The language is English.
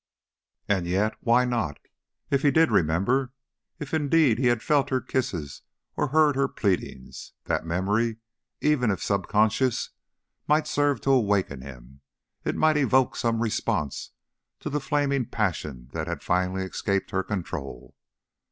And yet why not? If he did remember, if indeed he had felt her kisses or heard her pleadings, that memory, even if subconscious, might serve to awaken him. It might evoke some response to the flaming passion that had finally escaped her control.